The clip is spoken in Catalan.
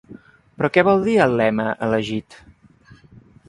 Però què vol dir el lema elegit?